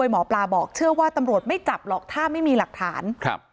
หมอปลาบอกเชื่อว่าตำรวจไม่จับหรอกถ้าไม่มีหลักฐานครับ